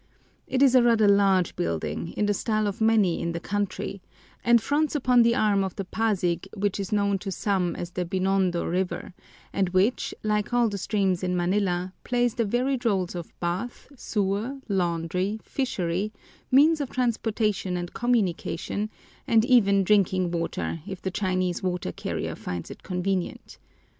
It is a rather large building, in the style of many in the country, and fronts upon the arm of the Pasig which is known to some as the Binondo River, and which, like all the streams in Manila, plays the varied rôles of bath, sewer, laundry, fishery, means of transportation and communication, and even drinking water if the Chinese water carrier finds it convenient.